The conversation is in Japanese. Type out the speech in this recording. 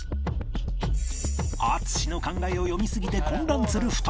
淳の考えを読みすぎて混乱する２人